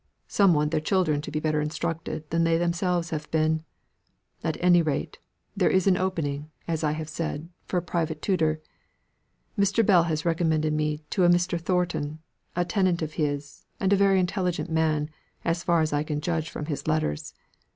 Some want their children to be better instructed than they themselves have been. At any rate, there is an opening, as I have said, for a private tutor. Mr. Bell has recommended me to a Mr. Thornton, a tenant of his, and a very intelligent man, as far as I can judge from his letters.